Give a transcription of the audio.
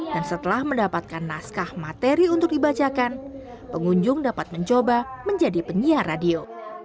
dan setelah mendapatkan naskah materi untuk dibacakan pengunjung dapat mencoba menjadi penyiar radio